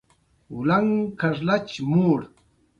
چټک غبرګون ستونزه زياتوي.